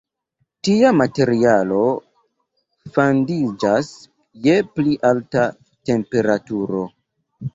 Tia materialo fandiĝas je pli alta temperaturo.